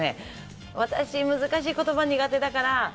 私、難しい言葉苦手だから。